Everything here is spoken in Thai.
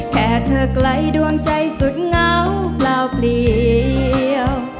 แค่เธอไกลดวงใจสุดเหงาเปล่าเปลี่ยว